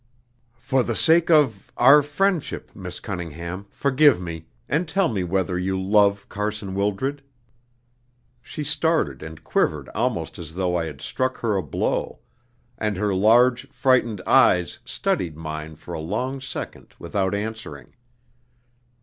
"For the sake of our friendship, Miss Cunningham, forgive me, and tell me whether you love Carson Wildred?" She started and quivered almost as though I had struck her a blow, and her large, frightened eyes studied mine for a long second without answering.